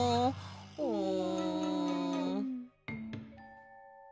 うん。